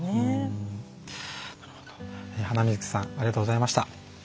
ハナミズキさんありがとうございました。